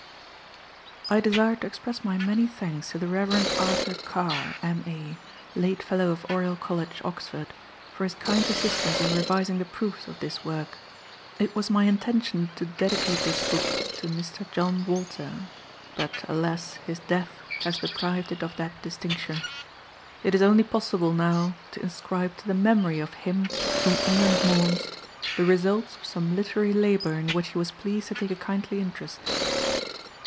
_I desire to express my many thanks to the Rev. Arthur Carr, M.A., late Fellow of Oriel College, Oxford, for his kind assistance in revising the proofs of this work. It was my intention to dedicate this book to Mr. John Walter, but alas! his death has deprived it of that distinction. It is only possible now to inscribe to the memory of him whom England mourns the results of some literary labour in which he was pleased to take a kindly interest.